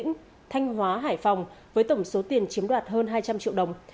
công an hà tĩnh thanh hóa hải phòng với tổng số tiền chiếm đoạt hơn hai trăm linh triệu đồng